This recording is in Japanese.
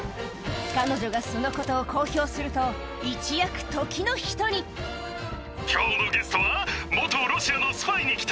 彼女がそのことを公表すると一躍時の人にイエイ！